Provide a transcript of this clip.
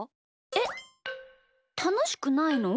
えったのしくないの？